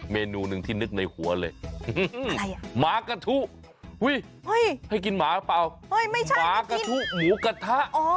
เมนูหนึ่งที่นึกในหัวเลยหมากะทุยให้กินหมาเปล่าไม่ใช่หมากะทุหมูกระทะ